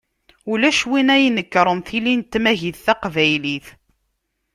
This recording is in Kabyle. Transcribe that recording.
Ulac win ara inekṛen tilin n tmagit taqbaylit.